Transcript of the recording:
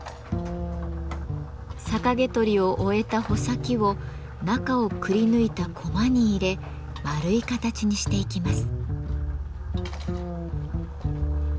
逆毛取りを終えた穂先を中をくりぬいた「コマ」に入れ丸い形にしていきます。